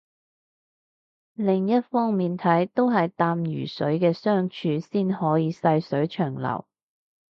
另一方面睇都係淡如水嘅相處先可以細水長流